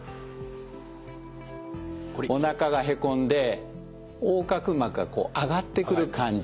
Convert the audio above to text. おなかがへこんで横隔膜が上がってくる感じ。